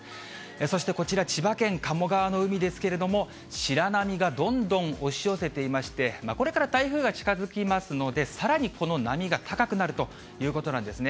そしてこちら、千葉県鴨川の海ですけれども、白波がどんどん押し寄せていまして、これから台風が近づきますので、さらにこの波が高くなるということなんですね。